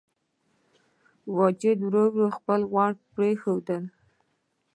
واجدې ورو ورو خپل غوړ پرېښودل.